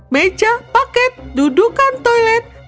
meja paket dudukan toilet